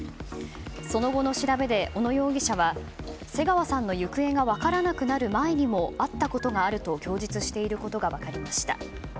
その後の調べで小野容疑者は瀬川さんの行方が分からなくなる前にも会ったことがあると供述していることが分かりました。